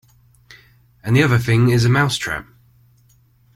And the other thing is a mouse-trap.